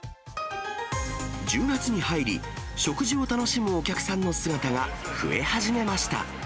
１０月に入り、食事を楽しむお客さんの姿が増え始めました。